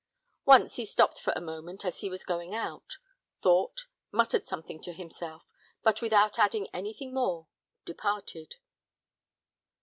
Once he stopped for a moment as he was going out thought, muttered something to himself, but without adding anything more, departed.